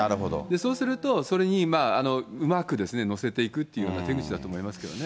そうすると、それにうまく乗せていくというような手口だと思いますけどね。